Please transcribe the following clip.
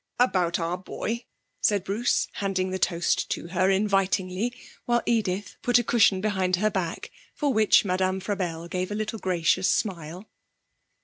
'About our boy?' said Bruce, handing the toast to her invitingly, while Edith put a cushion behind her back, for which Madame Frabelle gave a little gracious smile.